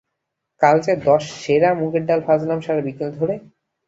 কাল যে দশ সেরা মুগের ডাল ভাজলাম সারা বিকেল ধরে?